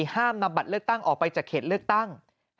ห้ามนำบัตรเลือกตั้งออกไปจากเขตเลือกตั้ง